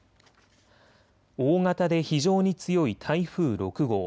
大型で非常に強い台風６号。